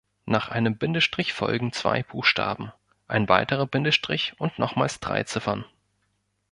Nach einem Bindestrich folgen zwei Buchstaben, ein weiterer Bindestrich und nochmals drei Ziffern.